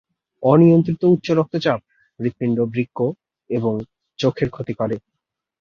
অনিয়ন্ত্রিত উচ্চ রক্তচাপ হৃৎপিণ্ড, বৃক্ক এবং চোখের ক্ষতি করে।